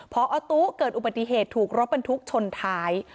พอตู้เกิดอุบัติเหตุถูกรถบรรทุกชนท้าย